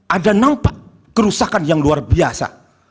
ada nampak kerusakan yang luar biasa